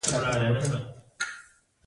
ملي اټن یو له غوره سپورټو دی.